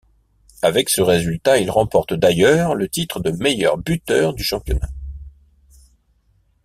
Avec ce résultat il remporte d’ailleurs le titre de meilleur buteur du championnat.